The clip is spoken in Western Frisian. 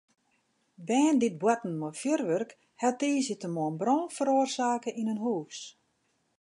Bern dy't boarten mei fjurwurk hawwe tiisdeitemoarn brân feroarsake yn in hûs.